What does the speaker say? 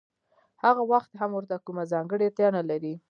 هغه وخت هم ورته کومه ځانګړې اړتیا نلري